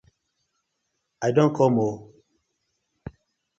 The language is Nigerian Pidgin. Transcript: I don kom oo!!